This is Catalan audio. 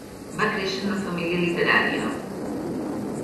Va créixer en una família literària.